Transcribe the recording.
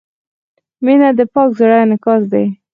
• مینه د پاک زړۀ انعکاس دی.